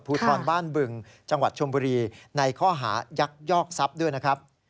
ภูทรบ้านบึงจังหวัดชมบุรีในข้อหายักยอกทรัพย์ด้วยนะครับ